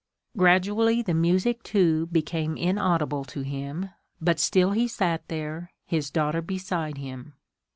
Gradually the music too became in audible to him, but still he sat there, his daughter beside him.